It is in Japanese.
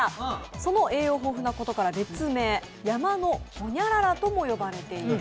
その栄養豊富なことから別名、山のホニャララと呼ばれています。